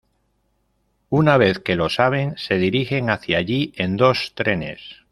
Una vez que lo saben, se dirigen hacia allí en dos trenes.